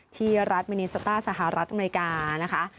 ที่รัฐมินิโซต้าสหรัฐอเมริกานะคะ